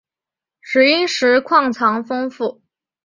石英石矿藏丰富。